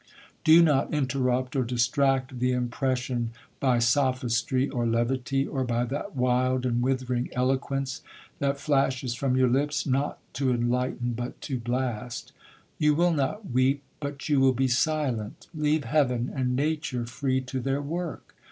Do not interrupt or distract the impression by sophistry or levity, or by that wild and withering eloquence that flashes from your lips, not to enlighten but to blast. You will not weep, but you will be silent,—leave Heaven and nature free to their work.